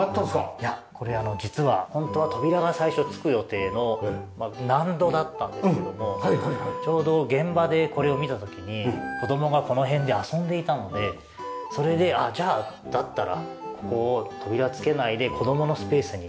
いやこれ実はホントは扉が最初付く予定の納戸だったんですけどもちょうど現場でこれを見た時に子供がこの辺で遊んでいたのでそれでじゃあだったらここ扉付けないで子供のスペースに。